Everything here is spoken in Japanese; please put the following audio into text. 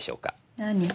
何？